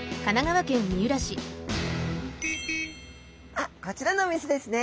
あっこちらのお店ですね。